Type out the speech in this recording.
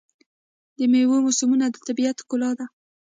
د میوو موسمونه د طبیعت ښکلا ده.